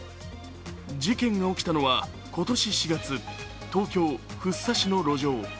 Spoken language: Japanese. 事件が起きたのは今年４月東京・福生市の路上。